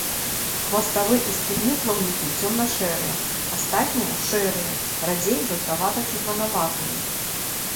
Хваставы і спінны плаўнікі цёмна-шэрыя, астатнія шэрыя, радзей жаўтавата-чырванаватыя.